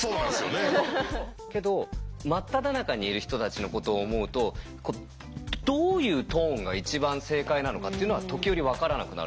けど真っただ中にいる人たちのことを思うとどういうトーンが一番正解なのかっていうのは時折分からなくなる時がある。